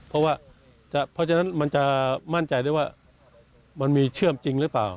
เพราะฉะนั้นมันจะมั่นใจมันมีเชื่อมจริงหรือเปล่า